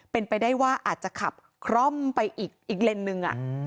เป็นไปได้ว่าอาจจะขับคร่อมไปอีกเลนส์นึง